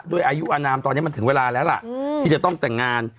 ด้วยอายุอนามตอนนี้มันถึงเวลาแล้วล่ะที่จะต้องแต่งงาน